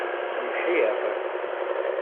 Lḥiɣ.